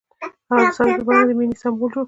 هغه د ساحل په بڼه د مینې سمبول جوړ کړ.